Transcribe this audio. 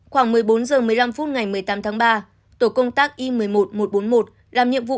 khoảng một mươi bốn h một mươi năm phút ngày một mươi tám tháng ba tổ công tác i một mươi một nghìn một trăm bốn mươi một làm nhiệm vụ